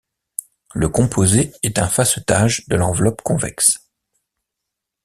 Le composé est un facettage de l'enveloppe convexe.